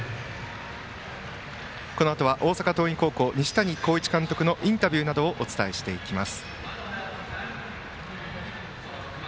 このあとは大阪桐蔭高校西谷浩一監督のインタビューなどをお伝えしていきます。